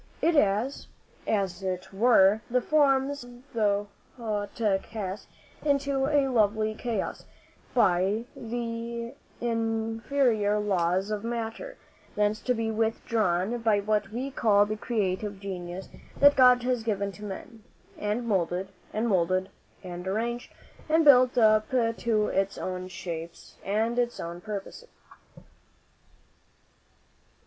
It is, as it were, the forms of thought cast into a lovely chaos by the inferior laws of matter, thence to be withdrawn by what we call the creative genius that God has given to men, and moulded, and modelled, and arranged, and built up to its own shapes and its own purposes."